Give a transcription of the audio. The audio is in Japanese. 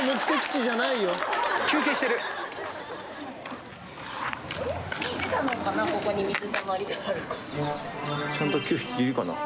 ちゃんと９匹いるかな？